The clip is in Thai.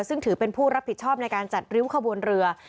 ซึ่งถือเป็นผู้รับผิดชอบในการจัดริ้วขบวนเรือ